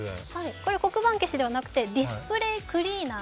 これは黒板消しではなくてディスプレークリーナー。